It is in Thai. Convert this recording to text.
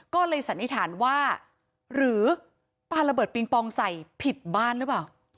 ก็เลยสันนิษฐานว่าหรือปลาระเบิดปิงปองใส่ผิดบ้านหรือเปล่า